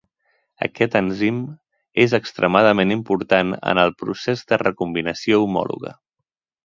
Aquest enzim és extremadament important en el procés de recombinació homòloga